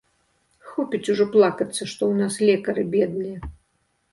Хопіць ужо плакацца, што ў нас лекары бедныя.